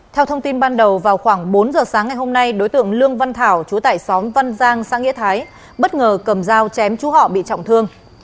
theo thông tin ban đầu vào khoảng bốn giờ sáng ngày hôm nay đối tượng lương văn thảo chú tải xóm văn giang xã nghĩa thái bất ngờ cầm dao chém chú họ bị trọng thương